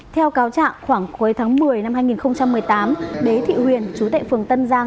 theo cáo trạng khoảng cuối tháng một mươi năm hai nghìn một mươi tám bế thị huyền chú tệ phường tân giang